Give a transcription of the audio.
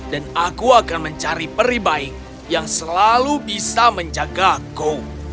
dan aku akan mencari peri baik yang selalu bisa menjagaku